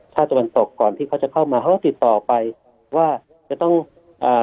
ตะวันตกก่อนที่เขาจะเข้ามาเขาก็ติดต่อไปว่าจะต้องอ่า